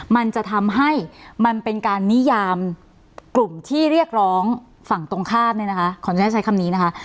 มันจะทำให้มันเป็นการนิยามกลุ่มที่เรียกร้องฝั่งตรงข้ามเนี่ยนะคะขออนุญาตใช้คำนี้นะคะ